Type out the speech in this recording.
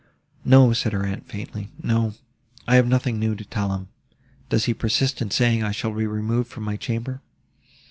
"No," said her aunt faintly, "no—I have nothing new to tell him. Does he persist in saying I shall be removed from my chamber?"